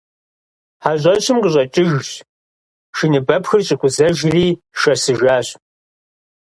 ХьэщӀэщым къыщӀэкӀыжщ, шыныбэпхыр щӀикъузэжри шэсыжащ.